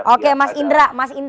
oke mas indra